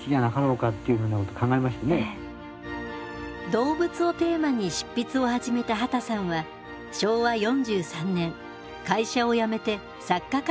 動物をテーマに執筆を始めた畑さんは昭和４３年会社を辞めて作家活動に専念。